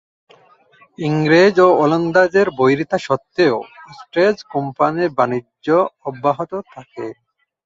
ইংরেজ ও ওলন্দাজদের বৈরিতা সত্ত্বেও অস্টেন্ড কোম্পানির বাণিজ্য অব্যাহত থাকে।